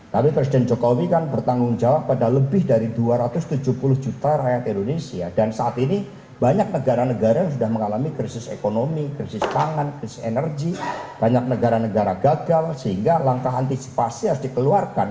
tapi presiden jokowi kan bertanggung jawab pada lebih dari dua ratus tujuh puluh juta rakyat indonesia dan saat ini banyak negara negara yang sudah mengalami krisis ekonomi krisis pangan krisis energi banyak negara negara gagal sehingga langkah antisipasi harus dikeluarkan